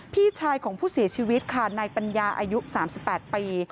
พี่ชายของผู้เสียชีวิตค่ะนายปัญญาอายุ๓๘ปี